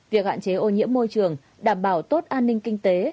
việc hạn chế ô nhiễm môi trường đảm bảo tốt an ninh kinh tế